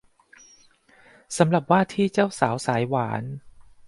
สำหรับว่าที่เจ้าสาวสายหวาน